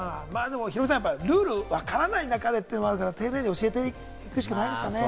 もうヒロミさん、ルールわからない中でというのもあるから、丁寧に教えていくしかないんですかね。